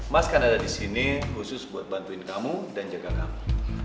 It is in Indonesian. mas kan ada di sini khusus buat bantuin kamu dan jaga kamu